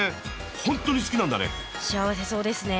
本当に好きなんだね。